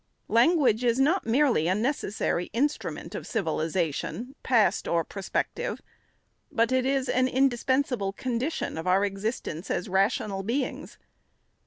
Language is not merely a necessary instrument of civilization, past or prospective, but it is an indispensable condition of our existence as rational beings.